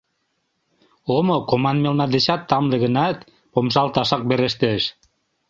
«Омо коман мелна дечат тамле» гынат, помыжалташак верештеш.